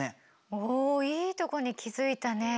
おいいとこに気付いたね。